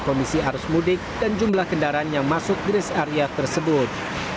kondisi arus mudik dan jumlah kendaraan yang masuk gres area tersebut